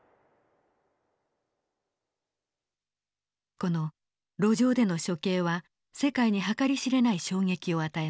この路上での処刑は世界に計り知れない衝撃を与えました。